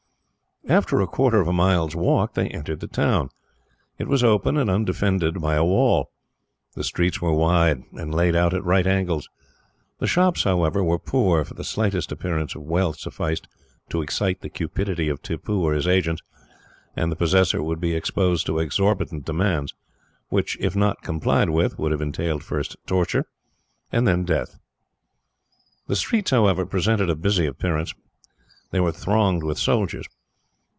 After a quarter of a mile's walk they entered the town. It was open, and undefended by a wall. The streets were wide, and laid out at right angles. The shops, however, were poor, for the slightest appearance of wealth sufficed to excite the cupidity of Tippoo or his agents, and the possessor would be exposed to exorbitant demands, which, if not complied with, would have entailed first torture and then death. The streets, however, presented a busy appearance. They were thronged with soldiers.